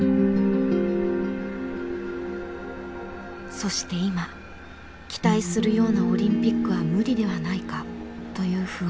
そして今期待するようなオリンピックは無理ではないかという不安。